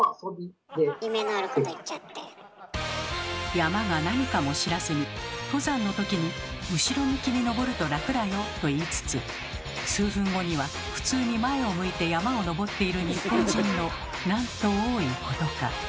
山が何かも知らずに登山のときに「後ろ向きに登ると楽だよ」と言いつつ数分後には普通に前を向いて山を登っている日本人のなんと多いことか。